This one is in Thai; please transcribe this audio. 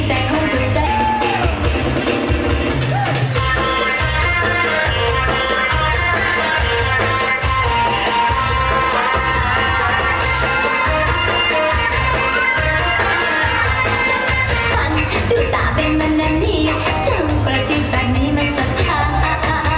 ช่างความชิ้นตัวนี้มันสะท้า